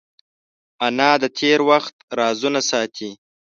انا د تېر وخت رازونه ساتي